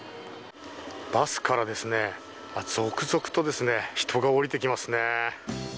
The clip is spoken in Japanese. バスから続々と人が降りてきますね。